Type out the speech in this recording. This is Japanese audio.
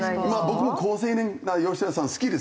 僕も好青年な吉田さん好きですよ。